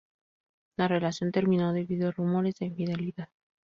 La relación terminó debido a rumores de infidelidad.